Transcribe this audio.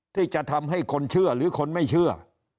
ที่จะทำให้คนเชื่อหรือคนไม่เชื่อ